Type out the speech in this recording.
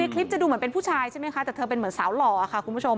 คลิปจะดูเหมือนเป็นผู้ชายใช่ไหมคะแต่เธอเป็นเหมือนสาวหล่อค่ะคุณผู้ชม